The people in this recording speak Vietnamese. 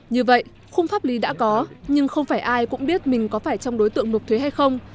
như vậy khung pháp lý đã có nhưng không phải ai cũng biết mình có phải trong đối tượng nộp thuế hay không